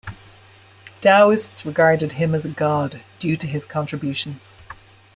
Daoists regarded him as a god due to his contributions.